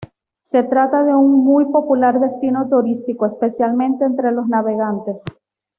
Se trata de un muy popular destino turístico, especialmente entre los navegantes.